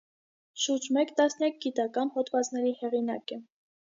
Շուրջ մեկ տասնյակ գիտական հոդվածների հեղինակ է։